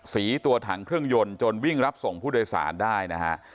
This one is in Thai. สีตัวถังเครื่องยนต์จนวิ่งรับส่งผู้โดยสารได้นะฮะ